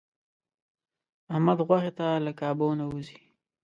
احمد غوښې ته له کابو نه و ځي.